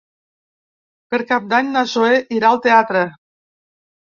Per Cap d'Any na Zoè irà al teatre.